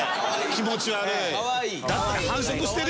気持ち悪い！